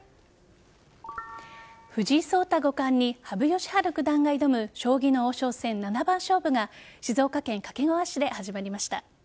藤井聡太五冠に羽生善治九段が挑む将棋の王将戦七番勝負が静岡県掛川市で始まりました。